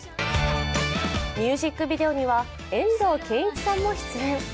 ミュージックビデオには遠藤憲一さんも出演。